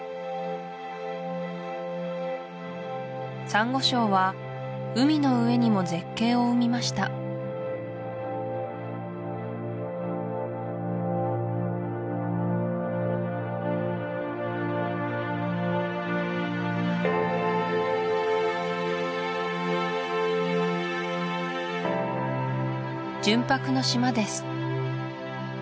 サンゴ礁は海の上にも絶景を生みました純白の島です